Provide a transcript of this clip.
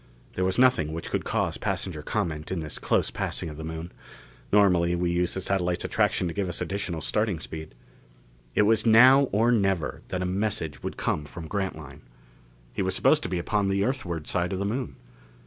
There was nothing which could cause passenger comment in this close passing of the Moon; normally we used the satellite's attraction to give us additional starting speed. It was now or never that a message would come from Grantline. He was supposed to be upon the Earthward side of the Moon.